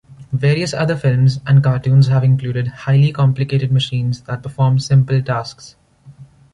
Various other films and cartoons have included highly complicated machines that perform simple tasks.